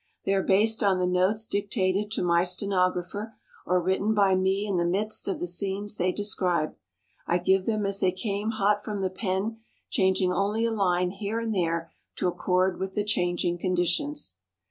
They are based on the notes dictated to my stenographer or written by me in the midst of the scenes they describe. I give them as they came hot from the pen, changing only a line here and there to accord with the changing conditions.